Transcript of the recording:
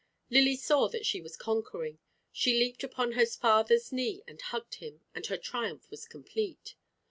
Lily saw that she was conquering; she leaped upon her father's knee and hugged him; and her triumph was complete.